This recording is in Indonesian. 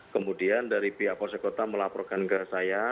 kemudian dari pihak polsekota melaporkan ke saya